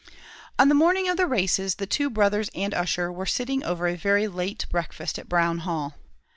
On the morning of the races the two brothers and Ussher were sitting over a very late breakfast at Brown Hall.